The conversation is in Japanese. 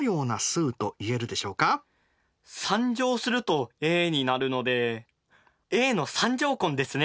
３乗するとａになるのでａの３乗根ですね。